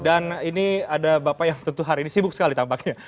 dan ini ada bapak yang tentu hari ini sibuk sekali tampaknya